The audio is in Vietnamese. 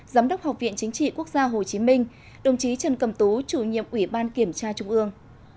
giám đốc học viện chính trị quốc gia hồ chí minh đồng chí trần cầm tú chủ nhiệm ủy ban kiểm tra trung ương